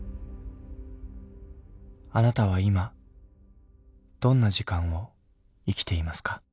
あなたは今どんな時間を生きていますか？